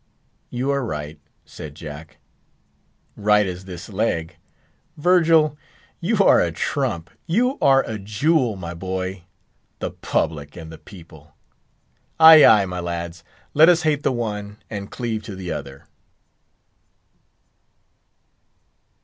"You are right," said Jack; "right as this leg. Virgil, you are a trump; you are a jewel, my boy. The public and the people! Ay, ay, my lads, let us hate the one and cleave to the other."